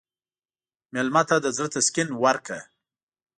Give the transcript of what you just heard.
مېلمه ته د زړه تسکین ورکړه.